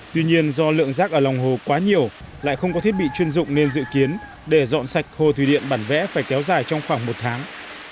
tuy nhiên do lượng rác ở lòng hồ quá nhiều lại không có thiết bị chuyên dụng nên dự kiến để dọn sạch hồ thủy điện bản vẽ phải kéo dài trong khoảng một tháng